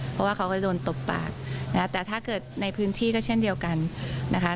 เพราะว่าเขาก็จะโดนตบปากนะแต่ถ้าเกิดในพื้นที่ก็เช่นเดียวกันนะคะ